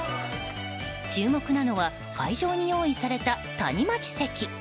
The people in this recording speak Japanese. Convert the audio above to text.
注目なのは会場に用意されたタニマチ席。